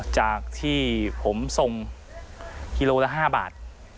จากที่ผมส่งกิโลละ๕บาท